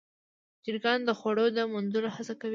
چرګان د خوړو د موندلو هڅه کوي.